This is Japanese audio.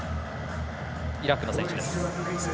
イラクの選手です。